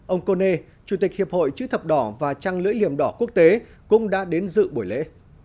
ông cô nê chủ tịch hiệp hội chữ thập đỏ và trang lưỡi liềm đỏ quốc tế cũng đã đến dự buổi lễ